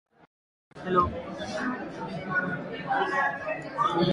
The gods are honoured and always asked for help.